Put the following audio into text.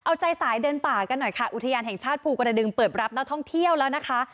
เอาใจสายเดินป่ากันหน่อยค่ะอุทยานแห่งชาติภูกระดึงเปิดรับนักท่องเที่ยวแล้วนะคะ